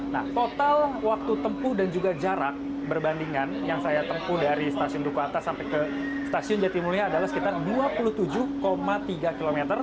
nah total waktu tempuh dan juga jarak berbandingan yang saya tempuh dari stasiun duku atas sampai ke stasiun jatimulia adalah sekitar dua puluh tujuh tiga km